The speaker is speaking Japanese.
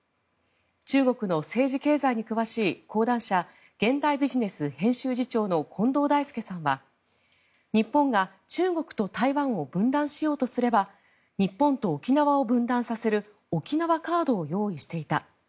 中国の政治経済に詳しい講談社、現代ビジネス編集次長の近藤大介さんは日本が中国と台湾を分断しようとすれば日本と沖縄を分断させる沖縄カードを用意していた。